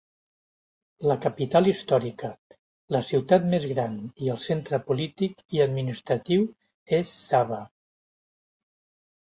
La capital històrica, la ciutat més gran i el centre polític i administratiu és Sabha.